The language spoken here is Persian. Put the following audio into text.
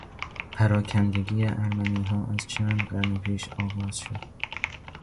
پراکندگی ارمنیها از چند قرن پیش آغاز شد.